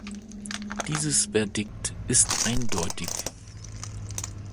Dieses Verdikt ist eindeutig.